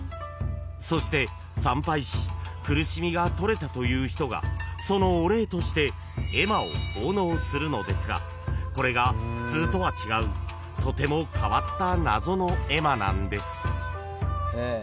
［そして参拝し苦しみが取れたという人がそのお礼として絵馬を奉納するのですがこれが普通とは違うとても変わった謎の絵馬なんです］